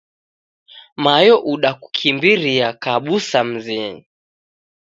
Mayo udakukimbiria kabusa mzinyi.